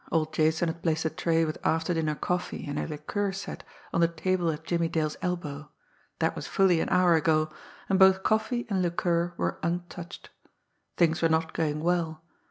Old Jason had placed a tray with after dinner coffee and a liqueur set on the table at Jimmie Dale's elbow that was fully an hour ago, and both coffee and liqueur were untouched. Things were not going well.